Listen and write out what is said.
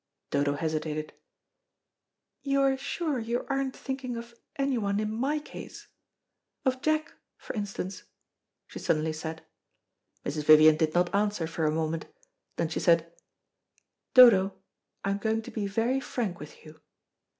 Dodo hesitated. "You are sure you aren't thinking of anyone in my case of Jack, for instance?" she suddenly said. Mrs. Vivian did not answer for a moment. Then she said, "Dodo, I am going to be very frank with you.